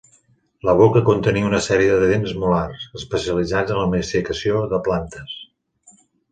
La boca contenia una sèrie de dents molars, especialitzats en la masticació de plantes.